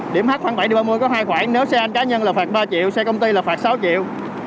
điểm h khoảng bảy ba mươi có hai khoản nếu xe anh cá nhân là phạt ba triệu xe công ty là phạt sáu triệu